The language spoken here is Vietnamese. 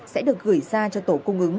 sẽ được gửi ra cho tổ cung ứng